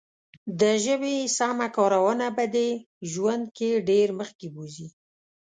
د ژبې سمه کارونه به دې ژوند کې ډېر مخکې بوزي.